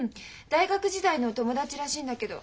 大学時代の友達らしいんだけど。